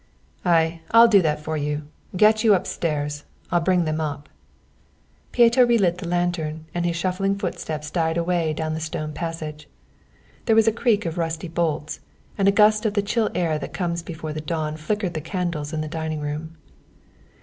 "Ay, I'll do that for you. Get you upstairs. I'll bring them up." Pieto relit the lantern, and his shuffling footsteps died away down the stone passage. There was a creak of rusty bolts and a gust of the chill air that comes before the dawn flickered the candles in the dining room.